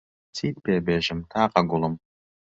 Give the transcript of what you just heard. چیت پێ بێژم تاقە گوڵم